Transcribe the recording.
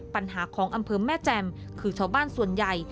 ปัญหาของอำเภอแม่แจ่มคือชาวบ้านส่วนใหญ่